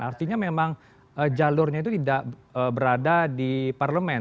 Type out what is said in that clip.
artinya memang jalurnya itu tidak berada di parlemen